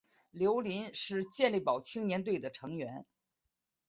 刘麟是健力宝青年队的成员。